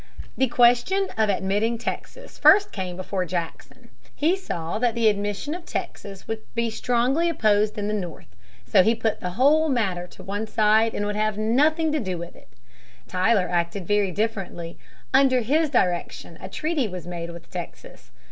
The question of admitting Texas first came before Jackson. He saw that the admission of Texas would be strongly opposed in the North. So he put the whole matter to one side and would have nothing to do with it. Tyler acted very differently. Under his direction a treaty was made with Texas.